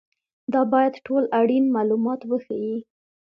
دا باید ټول اړین معلومات وښيي.